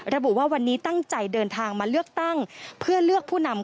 ระบุว่าวันนี้ตั้งใจเดินทางมาเลือกตั้งเพื่อเลือกผู้นำ